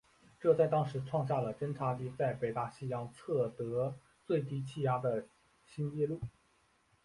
这在当时创下了侦察机在北大西洋测得最低气压的新纪录。